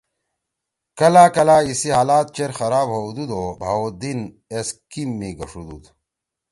کلہ کلہ ایِسی حالات چیر خراب ہؤدُود او بہاءالدین ولد ایس کِیم می گشُودُود۔